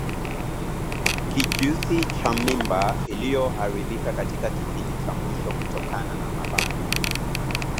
Kijusi cha mimba iliyoharibika katika kipindi cha mwisho kutokana na malale